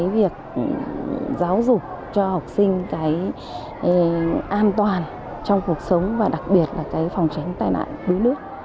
việc giáo dục cho học sinh an toàn trong cuộc sống và đặc biệt là phòng tránh tai nạn đuối nước